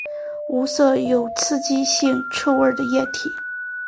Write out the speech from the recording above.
无色有刺激腥臭味的液体。